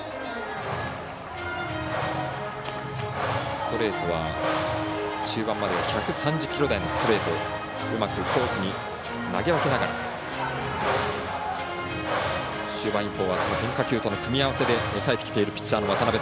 ストレートは中盤までは１３０キロ台のストレートをうまくコースに投げ分けながら終盤以降は変化球との組み合わせで抑えてきているピッチャーの渡邊。